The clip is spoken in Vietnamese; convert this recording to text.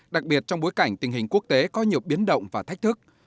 đặc biệt trong bối cảnh tình hình quốc tế có nhiều biến động và thách thức